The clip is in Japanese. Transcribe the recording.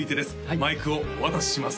マイクをお渡しします